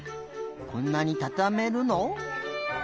こんなにたためるの？